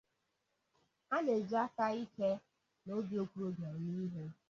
ha na-eji aka ike na obi okorobịa eme ihe